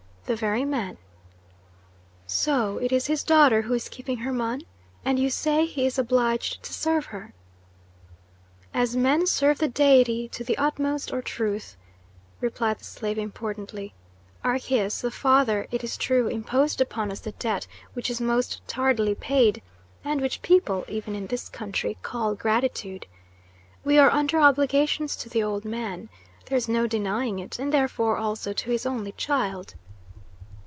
"The very man." "So it is his daughter who is keeping Hermon? And you say he is obliged to serve her?" "As men serve the Deity, to the utmost, or truth," replied the slave importantly. "Archias, the father, it is true, imposed upon us the debt which is most tardily paid, and which people, even in this country, call 'gratitude.' We are under obligations to the old man there's no denying it and therefore also to his only child."